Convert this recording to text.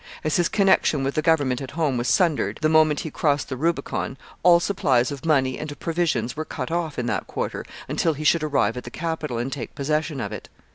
As his connection with the government at home was sundered the moment he crossed the Rubicon, all supplies of money and of provisions were cut off in that quarter until he should arrive at the Capitol and take possession of it.